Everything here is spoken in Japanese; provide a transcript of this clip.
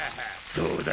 どうだ？